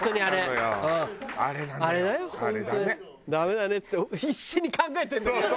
「あれだよ